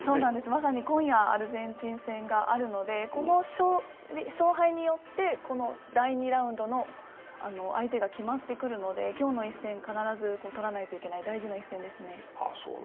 まさに今夜、アルゼンチン戦があるのでこの勝敗によって第２ラウンドの相手が決まってくるので、今日の一戦、必ず取らないといけない、大事な一戦ですね。